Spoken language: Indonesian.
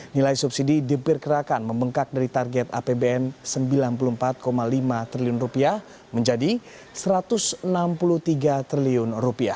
nilai subsidi diperkirakan membengkak dari target apbn rp sembilan puluh empat lima triliun menjadi rp satu ratus enam puluh tiga triliun